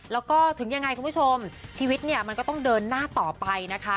แล้วก็ถึงยังไงคุณผู้ชมชีวิตเนี่ยมันก็ต้องเดินหน้าต่อไปนะคะ